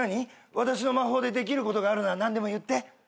私の魔法でできることがあるなら何でも言って。